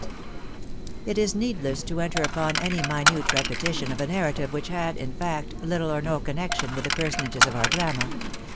It is needless to enter upon any minute repetition of a nar rative which had, in fact, little or no connection with the per sonages of our drama.